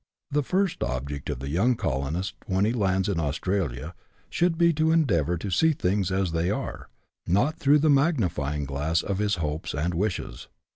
The first object of the young colonist when he lands in Aus tralia should be to endeavour to see things as they are, not through the magnifying glass of his hopes and wishes.